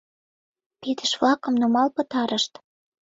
Пидыш-влакым нумал пытарышт.